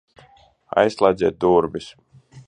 Aizslēdziet durvis!